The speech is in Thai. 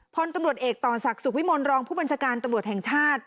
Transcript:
พลตำรวจเอกต่อศักดิ์สุขวิมลรองผู้บัญชาการตำรวจแห่งชาติ